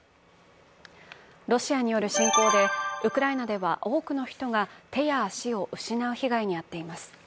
ロシアによる侵攻で、ウクライナでは多くの人が手や足を失う被害に遭っています。